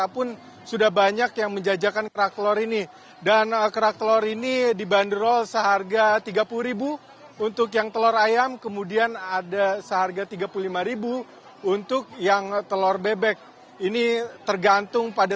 pekan raya jakarta